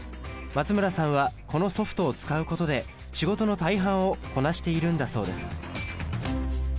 松村さんはこのソフトを使うことで仕事の大半をこなしているんだそうです。